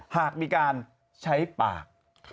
หากมีการใช้ปาก